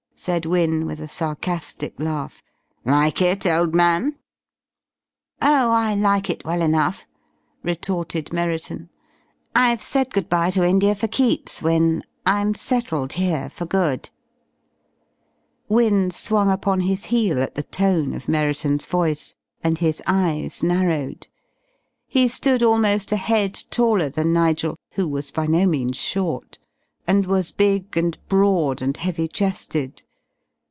said Wynne, with a sarcastic laugh. "Like it, old man?" "Oh, I like it well enough," retorted Merriton. "At any rate I'll be obliged to get used to it. I've said good bye to India for keeps, Wynne. I'm settled here for good." Wynne swung upon his heel at the tone of Merriton's voice, and his eyes narrowed. He stood almost a head taller than Nigel who was by no means short and was big and broad and heavy chested.